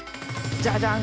ジャジャン。